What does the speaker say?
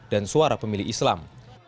dan suara pemilih islam